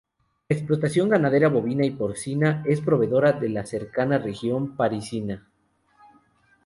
La explotación ganadera, bovina y porcina es proveedora de la cercana región parisina.